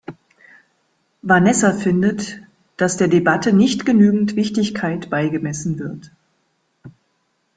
Vanessa findet, dass der Debatte nicht genügend Wichtigkeit beigemessen wird.